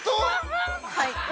はい。